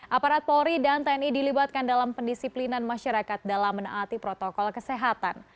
aparat polri dan tni dilibatkan dalam pendisiplinan masyarakat dalam menaati protokol kesehatan